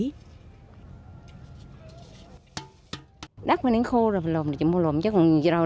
tại hợp tác xã sản xuất rau an toàn tí loan thuộc xã hòa phong huyện hòa vang thành phố đà nẵng